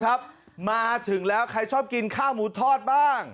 ครับมาถึงแล้วใครชอบกินข้าวหมูทอดบ้าง